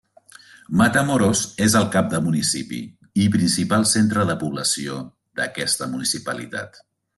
Matamoros és el cap de municipi i principal centre de població d'aquesta municipalitat.